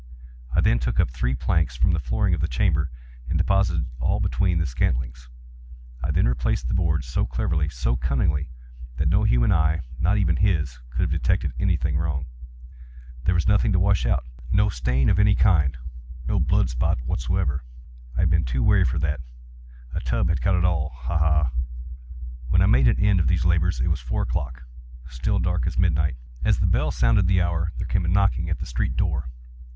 I then took up three planks from the flooring of the chamber, and deposited all between the scantlings. I then replaced the boards so cleverly, so cunningly, that no human eye—not even his—could have detected any thing wrong. There was nothing to wash out—no stain of any kind—no blood spot whatever. I had been too wary for that. A tub had caught all—ha! ha! When I had made an end of these labors, it was four o'clock—still dark as midnight. As the bell sounded the hour, there came a knocking at the street door.